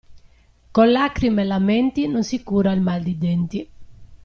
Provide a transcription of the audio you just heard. Con lacrime e lamenti non si cura il mal di denti.